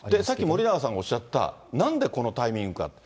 さっき森永さんおっしゃった、なんでこのタイミングか。